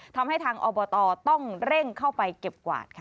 ทำให้ทางอบตต้องเร่งเข้าไปเก็บกวาดค่ะ